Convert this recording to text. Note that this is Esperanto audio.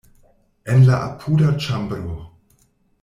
En la apuda ĉambro.